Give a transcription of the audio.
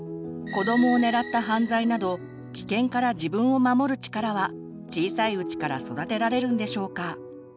子どもを狙った犯罪など危険から自分を守る力は小さいうちから育てられるんでしょうか？